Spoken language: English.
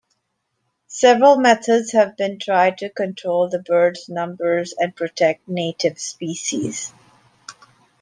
Several methods have been tried to control the bird's numbers and protect native species.